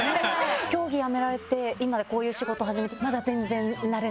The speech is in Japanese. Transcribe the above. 競技やめられて今こういう仕事始めてまだ全然慣れないですか？